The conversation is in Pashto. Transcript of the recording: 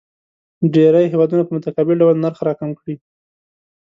ډېری هیوادونه په متقابل ډول نرخ راکم کړي.